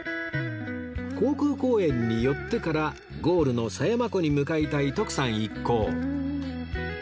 航空公園に寄ってからゴールの狭山湖に向かいたい徳さん一行